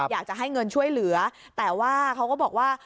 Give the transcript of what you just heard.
อยากจะให้เงินช่วยเหลือแต่ว่าเขาก็บอกว่า